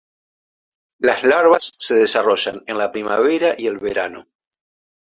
Las larvas se desarrollan en la primavera y el verano.